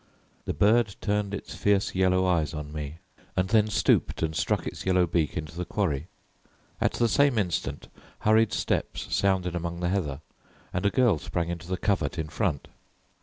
The bird turned its fierce yellow eyes on me, and then stooped and struck its curved beak into the quarry. At the same instant hurried steps sounded among the heather, and a girl sprang into the covert in front.